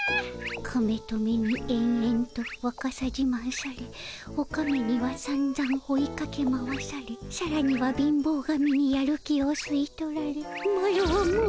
カメトメにえんえんとわかさじまんされオカメにはさんざん追いかけ回されさらには貧乏神にやる気をすい取られマロはもう力つきたで